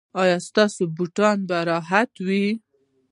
ایا ستاسو بوټونه به راحت وي؟